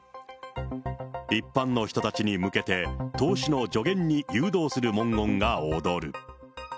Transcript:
一般の人たちに向けて、投資の助言に誘導する文言が躍る。